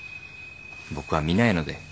僕は見ないので。